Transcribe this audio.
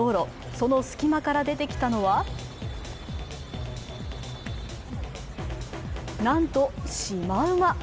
その隙間から出てきたのはなんとシマウマ。